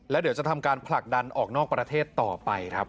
แล้วเดี๋ยวจะทำการผลักดันออกนอกประเทศต่อไปครับ